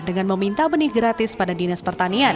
dengan meminta benih gratis pada dinas pertanian